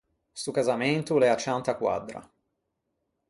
Sto casamento o l’é a cianta quaddra.